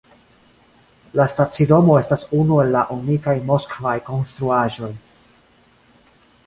La stacidomo estas unu el unikaj moskvaj konstruaĵoj.